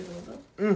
うん。